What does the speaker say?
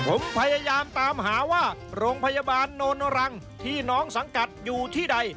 ผมพยายามตามหาว่าโรงพยาบาลโนนรังที่น้องสังกัดอยู่ที่ใด